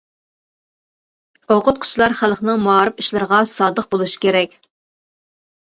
ئوقۇتقۇچىلار خەلقنىڭ مائارىپ ئىشلىرىغا سادىق بولۇشى كېرەك.